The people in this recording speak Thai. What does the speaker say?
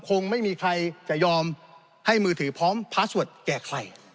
คงไม่มีใครจะยอมให้มือถือพร้อมพาสเวิร์ดแก่ใคร